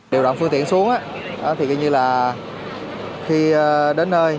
điều đoạn phương tiện xuống thì ghi như là khi đến nơi